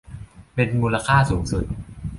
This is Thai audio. เป็นมูลค่าสูงสุด